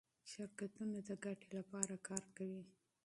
شرکتونه د ګټې لپاره کار کوي.